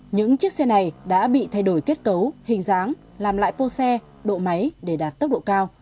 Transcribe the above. những chiếc xe này đã bị thay đổi kết cấu hình dáng làm lại pô xe độ máy để đạt tốc độ cao